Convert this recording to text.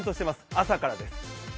朝からです。